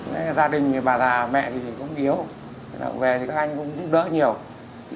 gia đình bà già mẹ thì cũng yếu về thì các anh cũng đỡ nhiều